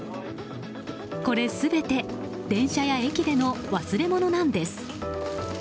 これ全て電車や駅での忘れものなんです。